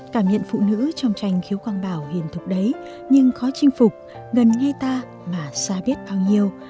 cảm nhận phụ nữ trong tranh khiếu quang bảo hiền thục đấy nhưng khó chinh phục gần nghe ta mà xa biết bao nhiêu